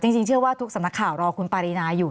จริงเชื่อว่าทุกสำนักข่าวรอคุณปารีนาอยู่